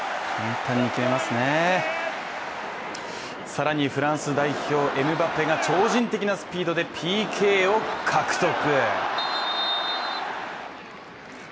更にフランス代表エムバペが超人的なスピードでＰＫを獲得。